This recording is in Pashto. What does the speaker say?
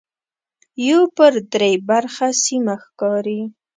یو پر درې برخه سیمه ښکاري.